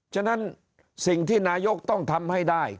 ฉะนั้นสิ่งที่นายกต้องทำให้ได้